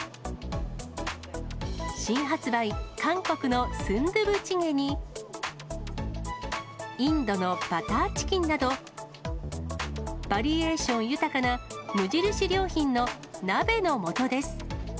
新発売、韓国のスンドゥブチゲに、インドのバターチキンなど、バリエーション豊かな無印良品の鍋の素です。